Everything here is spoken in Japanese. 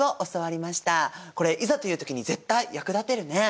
これいざという時に絶対役立てるね。